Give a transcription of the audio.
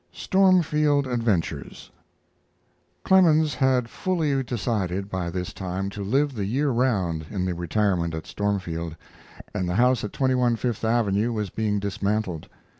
STORMFIELD ADVENTURES Clemens had fully decided, by this time, to live the year round in the retirement at Stormfield, and the house at 21 Fifth Avenue was being dismantled.